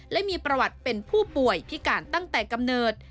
และมีประวัติเป็นผู้ป่วยพิการตั้งแต่กำเนิด